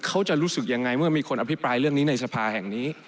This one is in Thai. เขาจะรู้สึกยังไงเมื่อมีคนอภิปรายเรื่องนี้ในสภาแห่งนี้